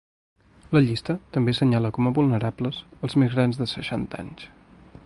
La llista també assenyala com a vulnerables els més grans de seixanta anys.